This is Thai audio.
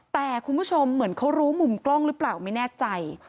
แต่คุณผู้ชมเหมือนเขารู้มุมกล้องหรือเปล่าไม่แน่ใจ